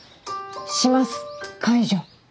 します解除。